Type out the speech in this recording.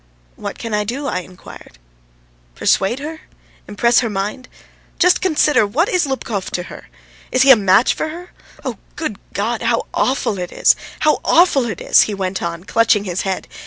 "What can I do?" I inquired. "Persuade her. ... Impress her mind. ... Just consider, what is Lubkov to her? Is he a match for her? Oh, good God! How awful it is, how awful it is!" he went on, clutching his head.